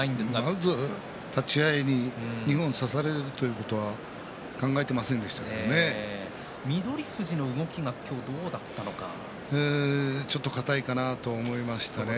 まず立ち合い二本差されるということは翠富士の動きがちょっと硬いかなと思いました。